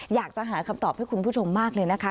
อยากจะหาคำตอบให้คุณผู้ชมมากเลยนะคะ